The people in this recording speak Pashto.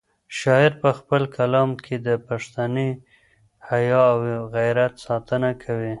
شاعر په خپل کلام کې د پښتني حیا او غیرت ساتنه کوي.